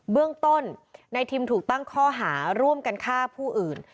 เบื้องต้นนายทิมถูกตั้งข้อหาร่วมกันฆ่าผู้อื่น